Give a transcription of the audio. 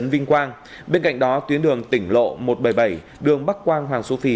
vinh quang bên cạnh đó tuyến đường tỉnh lộ một trăm bảy mươi bảy đường bắc quang hoàng su phi